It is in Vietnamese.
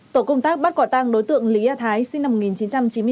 tổ công tác bắt quả tăng đối tượng lý a thái sinh năm một nghìn chín trăm chín mươi bốn